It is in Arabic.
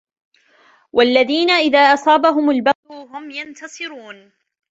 وَالَّذينَ إِذا أَصابَهُمُ البَغيُ هُم يَنتَصِرونَ